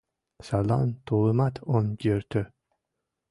Садлан тулымат ом йӧртӧ